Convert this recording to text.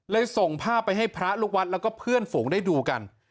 ส่งภาพไปให้พระลูกวัดแล้วก็เพื่อนฝูงได้ดูกัน